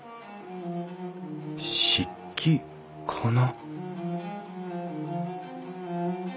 漆器かな？